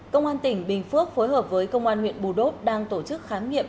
công an tỉnh bình phước phối hợp với công an huyện bù đốt đang tổ chức khám nghiệm